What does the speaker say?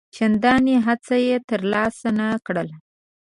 چنداني څه یې تر لاسه نه کړل.